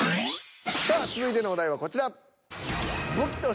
さあ続いてのお題はこちら。